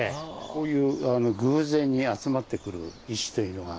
こういう偶然に集まってくる石というのが。